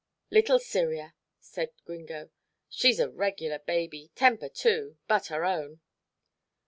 "Little Cyria," said Gringo, "she's a regular baby temper too but our own."